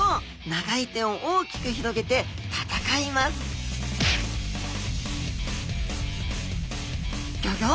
長い手を大きく広げて戦いますギョギョ！